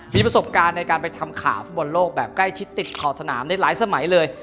มีประสบการณ์ในการไปทำข่าวฟุตบอลโลกแบบใกล้ชิดติดขอบสนามในหลายสมัยเลย